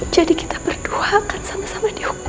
jadi kita berdua akan sama sama dihukum